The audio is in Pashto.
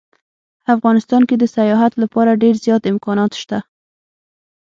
افغانستان کې د سیاحت لپاره ډیر زیات امکانات شته